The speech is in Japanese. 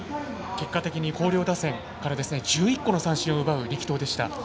結果的に広陵打線から１１個の三振を奪う力投でした。